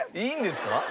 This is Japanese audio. いいんですか？